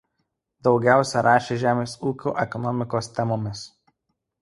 Daugiausia rašė žemės ūkio ekonomikos temomis.